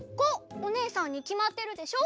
おねえさんにきまってるでしょ。